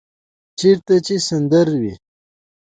- چیرته چې سمندر وی،